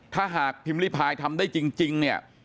ถ้าหากพิมพ์ริพายทำได้จริงเนี่ย